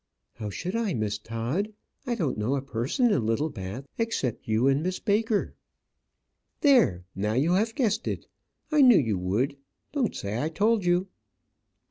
"How should I, Miss Todd? I don't know a person in Littlebath except you and Miss Baker." "There; now you have guessed it; I knew you would. Don't say I told you."